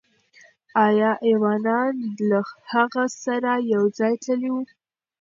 آیا ایوانان له هغه سره یو ځای تللي وو؟